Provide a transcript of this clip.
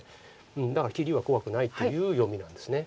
だから切りは怖くないという読みなんです。